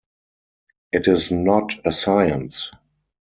It is not a science.